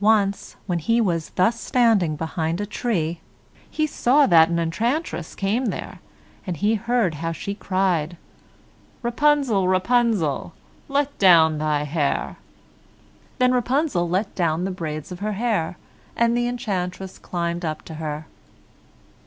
Once when he was thus standing behind a tree, he saw that an enchantress came there, and he heard how she cried, "Rapunzel, Rapunzel, Let down your hair." Then Rapunzel let down the braids of her hair, and the enchantress climbed up to her.